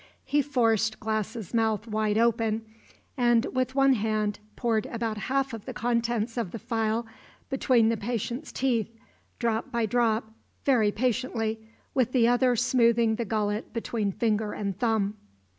He forced Glass's mouth wide open, and with one hand poured about half of the contents of the phial between the patient's teeth, drop by drop, very patiently, with the other smoothing the gullet between finger and thumb.